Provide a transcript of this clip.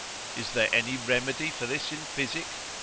Is there any remedy for this in physic?